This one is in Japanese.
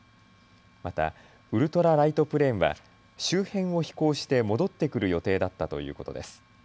またウルトラライトプレーンは周辺を飛行して戻ってくる予定だったということです。